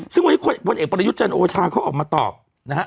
ซึ่งวันนี้พลเอกประยุทธ์จันทร์โอชาเขาออกมาตอบนะฮะ